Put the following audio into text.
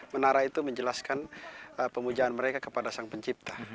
menara itu menjelaskan pemujaan mereka kepada sang pencipta